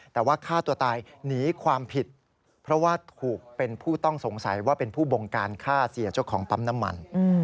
แต่ว่าฆ่าตัวตายหนีความผิดเพราะว่าถูกเป็นผู้ต้องสงสัยว่าเป็นผู้บงการฆ่าเสียเจ้าของปั๊มน้ำมัน